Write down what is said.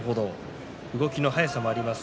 動きの速さもあります